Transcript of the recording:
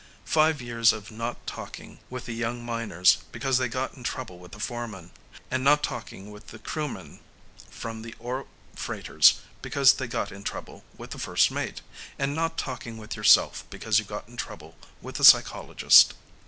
Five years of not talking with the young miners because they got in trouble with the foreman, and not talking with the crewmen from the ore freighters because they got in trouble with the first mate, and not talking with yourself because you got in trouble with the psychologist.